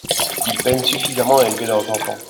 Ils peinent suffisamment à élever leurs enfants.